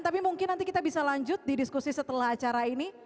tapi mungkin nanti kita bisa lanjut di diskusi setelah acara ini